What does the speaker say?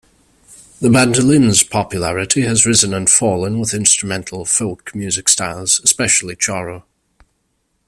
The bandolim's popularity has risen and fallen with instrumental folk music styles, especially choro.